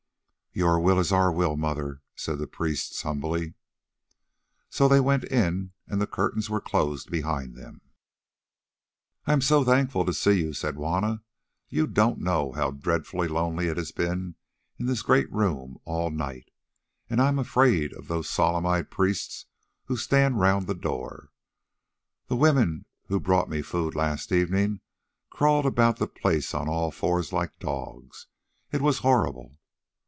"Your will is our will, Mother," said the priests humbly. So they went in, and the curtains were closed behind them. "I am so thankful to see you," said Juanna. "You don't know how dreadfully lonely it has been in this great room all night, and I am afraid of those solemn eyed priests who stand round the doors. The women who brought me food last evening crawled about the place on all fours like dogs; it was horrible!"